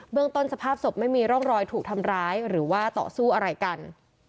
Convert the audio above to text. เรื่องต้นสภาพศพไม่มีร่องรอยถูกทำร้ายหรือว่าต่อสู้อะไรกัน